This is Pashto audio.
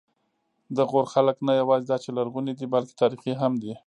د غور خلک نه یواځې دا چې لرغوني دي، بلکې تاریخي هم دي.